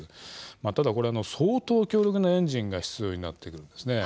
ただこれは相当強力なエンジンが必要になってきます。